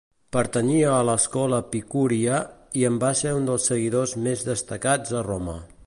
Pertanyia a l'escola epicúria, i en va ser un dels seguidors més destacats a Roma.